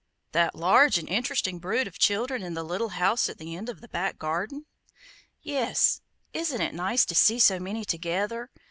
'" "That large and interesting brood of children in the little house at the end of the back garden?" "Yes; isn't it nice to see so many together?